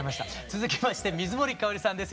続きまして水森かおりさんです。